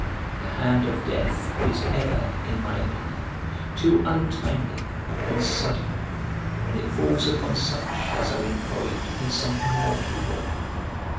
The hand of death is ever, in my opinion, too untimely and sudden when it falls upon such as are employed in some immortal work.